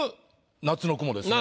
夏の雲」ですね。